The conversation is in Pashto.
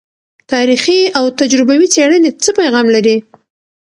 تاریخي او تجربوي څیړنې څه پیغام لري؟